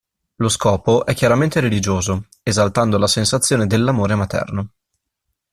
Lo scopo è chiaramente religioso, esaltando la sensazione dell'amore materno.